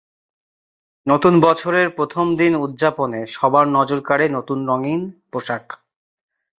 নতুন বছরের প্রথম দিন উদ্যাপনে সবার নজর কাড়ে নতুন রঙিন পোশাক।